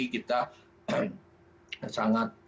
kita sangat sulitan mencari bahan bakunya